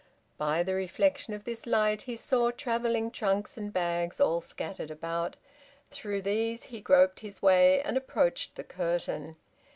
By the reflection of this light he saw travelling trunks and bags all scattered about; through these he groped his way and approached the curtain.